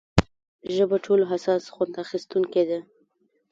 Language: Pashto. ژبه ټولو حساس خوند اخیستونکې ده.